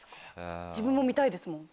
自分も見たいですもん。